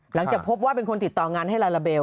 หลังจากพบว่าเป็นคนติดต่องานให้ลาลาเบล